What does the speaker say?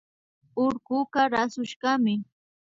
Urkuka rasushkami